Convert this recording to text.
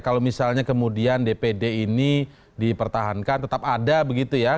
kalau misalnya kemudian dpd ini dipertahankan tetap ada begitu ya